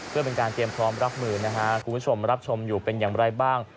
เพื่อเป็นการเตรียมพร้อมรับมือนะฮะคุณผู้ชมรับชมอยู่เป็นอย่างไรบ้าง